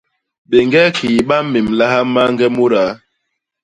Béñge kii ba mmémlaha mañge mudaa.